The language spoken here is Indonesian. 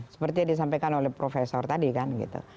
seperti yang disampaikan oleh profesor tadi kan gitu